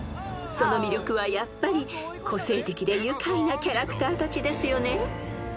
［その魅力はやっぱり個性的で愉快なキャラクターたちですよね］